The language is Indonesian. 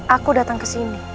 aku datang ke sini